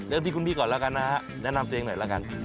ที่คุณพี่ก่อนแล้วกันนะฮะแนะนำตัวเองหน่อยแล้วกัน